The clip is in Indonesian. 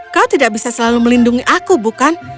kau tidak bisa selalu melindungi aku bukan